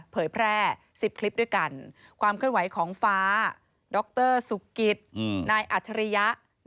เผยแพร่๑๐คลิปด้วยกันความเคลื่อนไหวของฟ้าดรสุกิตนายอัจฉริยะ